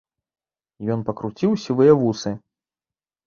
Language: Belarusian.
Ён пакруціў сівыя вусы.